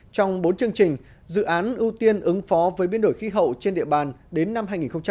trong bốn chương trình dự án ưu tiên ứng phó với biến đổi khí hậu trên địa bàn đến năm hai nghìn ba mươi